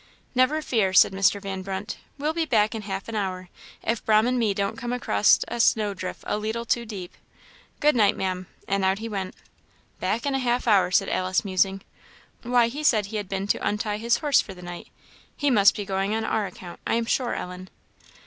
"Never fear," said Mr. Van Brunt. "We'll be back in half an hour, if 'Brahm and me don't come across a snowdrift a leetle too deep. Good night, Maam." And out he went. " 'Back in half an hour,' " said Alice, musing. "Why, he said he had been to untie his horse for the night. He must be going on our account, I am sure, Ellen!"